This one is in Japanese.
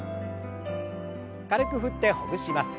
軽く振ってほぐします。